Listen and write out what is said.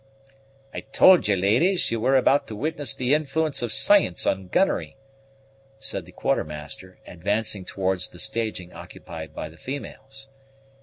"I told ye, ladies, ye were about to witness the influence of science on gunnery," said the Quartermaster, advancing towards the staging occupied by the females.